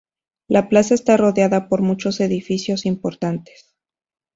La plaza está rodeada por muchos edificios importantes.